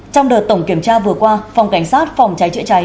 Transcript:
trong đợt tổng kiểm tra vừa qua phòng cảnh sát phòng trái chữa trái